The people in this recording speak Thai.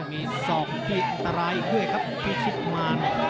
มีสอกที่ตรายด้วยครับที่ชิบมานะ